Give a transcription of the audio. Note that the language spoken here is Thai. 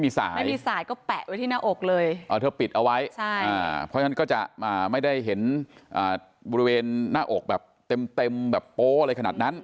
ไม่มีสายก็แปะไว้ที่หน้าอกเลย